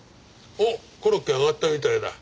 おっコロッケ揚がったみたいだ。